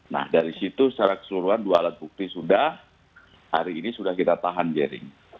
nah dari situ secara keseluruhan dua alat bukti sudah hari ini sudah kita tahan jering